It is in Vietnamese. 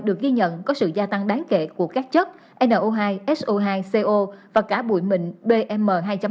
được ghi nhận có sự gia tăng đáng kể của các chất no hai so hai co và cả bụi mịn bm hai